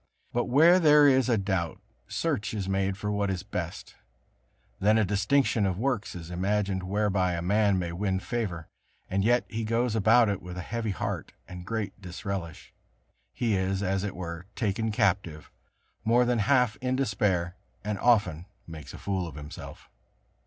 But where there is a doubt, search is made for what is best; then a distinction of works is imagined whereby a man may win favor; and yet he goes about it with a heavy heart, and great disrelish; he is, as it were, taken captive, more than half in despair, and often makes a fool of himself.